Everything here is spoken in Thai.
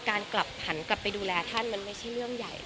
การกลับหันกลับไปดูแลท่านมันไม่ใช่เรื่องใหญ่